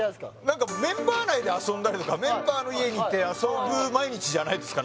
何かメンバー内で遊んだりとかメンバーの家に行って遊ぶ毎日じゃないですか？